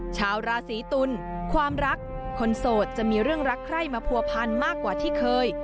ชาวราศีตุลความรักคนโสดจะมีเรื่องรักใคร่มาผัวพันมากกว่าที่เคย